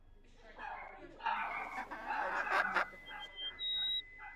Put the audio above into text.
Su forma es circular, aunque su perfil aparece significativamente destruido.